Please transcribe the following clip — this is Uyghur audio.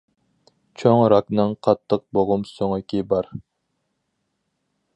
چوڭ راكنىڭ قاتتىق بوغۇم سۆڭىكى بار.